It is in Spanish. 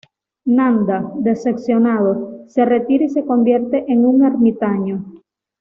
Nanda, decepcionado, se retira y se convierte en un ermitaño.